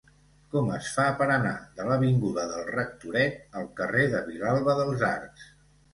Com es fa per anar de l'avinguda del Rectoret al carrer de Vilalba dels Arcs?